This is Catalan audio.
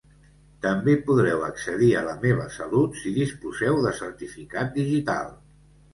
També podreu accedir a La Meva Salut si disposeu de certificat digital.